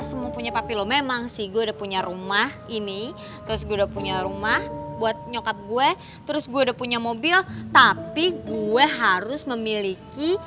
sekarang gue ngerti